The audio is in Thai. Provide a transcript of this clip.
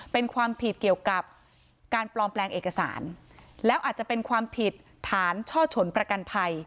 เป็นความผิดเกี่ยวกับการปลอมแปลงเอกสารแล้วอาจจะเป็นความผิดฐานช่อฉนประกันภัย